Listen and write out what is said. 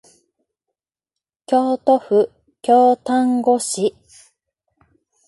京都府京丹後市